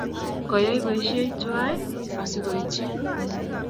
koyai boisie tuwai asikoitchi